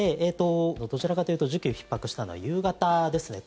どちらかというと需給ひっ迫したのは夕方ですね。